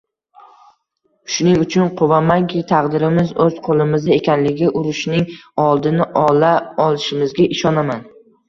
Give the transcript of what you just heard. Shuning uchun quvamanki, taqdirimiz o‘z qo‘limizda ekanligiga, urushning oldini ola olishimizga ishonaman